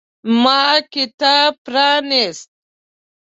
ما کتاب پرانیست.